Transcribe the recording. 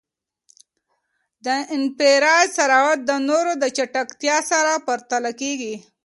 د انفجار سرعت د نور د چټکتیا سره پرتله کېږی.